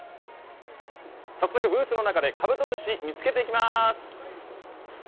早速ブースの中でカブトムシ、見つけていきます。